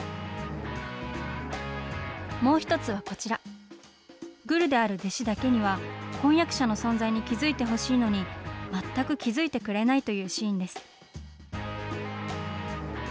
もう１つはこちら、グルである弟子だけには、婚約者の存在に気付いてほしいのに、全く気付いてくれないというシーンです。